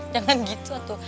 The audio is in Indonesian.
jangan gitu tuh